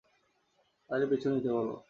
তাদের পিছু নিতে বল।